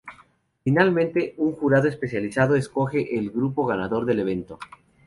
Finalmente, un jurado especializado escoge al grupo ganador del evento.